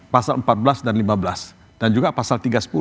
pasal empat belas dan lima belas dan juga pasal tiga ratus sepuluh